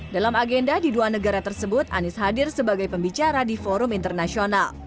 dalam agenda di dua negara tersebut anies hadir sebagai pembicara di forum internasional